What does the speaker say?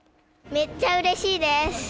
めっちゃうれしいです。